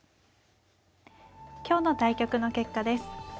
今日の対局の結果です。